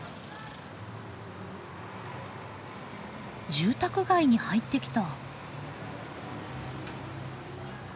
住宅街に入ってきた。